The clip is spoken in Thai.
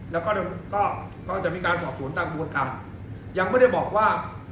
แล้วก็ก็จะมีการสอบสวนตามกระบวนการยังไม่ได้บอกว่า